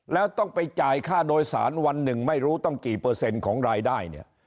แล้วต้องไปจ่ายค่าโดยสารวันหนึ่งไม่รู้ต้องกี่เปอร์เซ็นต์ของรายได้เนี่ย